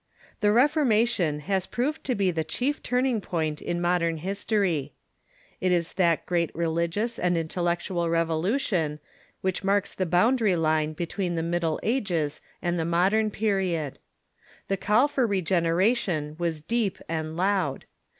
The Reformation has proved to be the chief turning point in mod ern history. It is that great religious and intellectual revolu tion which marks the boundary line between the Middle Ages and the modern period. The call for regeneration was deep and loud.